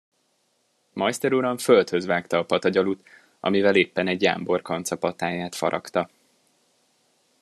Majszter uram földhöz vágta a patagyalut, amivel éppen egy jámbor kanca patáját faragta.